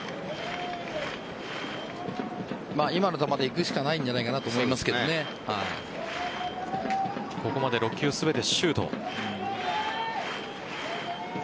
今の球でいくしかないんじゃないかなとここまで６球全てシュート。